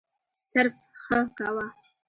صرف «ښه» کوه.